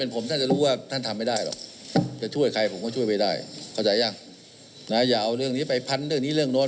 คราวนี้อย่าเอาเรื่องนี้ไปพันเรื่องนี้เรื่องนนน